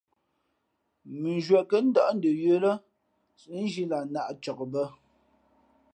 Mʉnzhwīē kα̌ ndάʼ ndə yə̌ lά síʼnzhī lah nāʼ cak bᾱ.